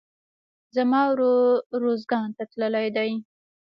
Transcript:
زما ورور روزګان ته تللى دئ.